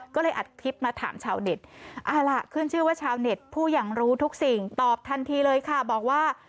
ก็เลยอัดคลิปมาถามชาวเน็ตเอาล่ะขึ้นชื่อว่าชาวเน็ตผู้อย่างรู้ทุกสิ่งตอบทันทีเลยค่ะบอกว่า